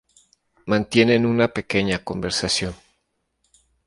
Mantienen una pequeña conversación.